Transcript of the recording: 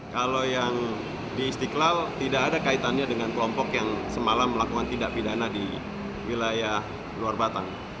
kalau yang di istiqlal tidak ada kaitannya dengan kelompok yang semalam melakukan tindak pidana di wilayah luar batang